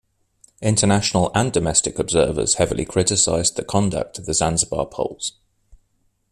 International and domestic observers heavily criticized the conduct of the Zanzibar polls.